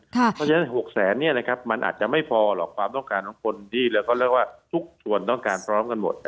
เพราะฉะนั้น๖แสนมันอาจจะไม่พอหรอกความต้องการของคนที่เราก็เรียกว่าทุกส่วนต้องการพร้อมกันหมด